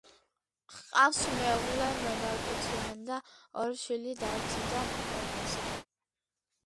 ჰყავს მეუღლე ნონა კვიციანი და ორი შვილი დავითი და ნიკოლოზი.